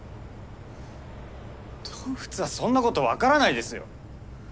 動物はそんなこと分からないですよ。